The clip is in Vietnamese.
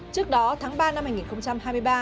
trước đó tháng ba năm hai nghìn hai mươi ba